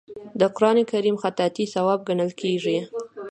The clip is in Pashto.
د قران کریم خطاطي ثواب ګڼل کیږي.